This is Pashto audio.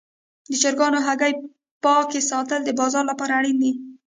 د چرګانو هګۍ پاک ساتل د بازار لپاره اړین دي.